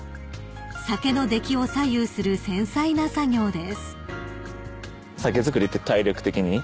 ［酒の出来を左右する繊細な作業です］